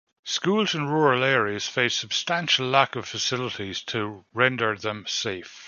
Schools in rural areas face substantial lack of facilities to render them safe.